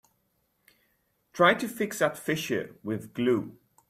Try to fix that fissure with glue.